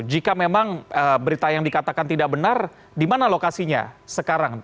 jika memang berita yang dikatakan tidak benar di mana lokasinya sekarang